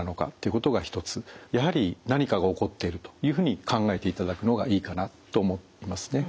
やはり何かが起こっているというふうに考えていただくのがいいかなと思いますね。